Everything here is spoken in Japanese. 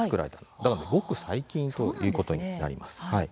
だから、ごく最近ということになります。